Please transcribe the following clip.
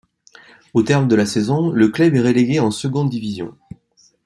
Au terme de la saison, le club est relégué en seconde division.